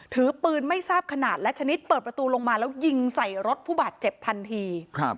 ถือปืนไม่ทราบขนาดและชนิดเปิดประตูลงมาแล้วยิงใส่รถผู้บาดเจ็บทันที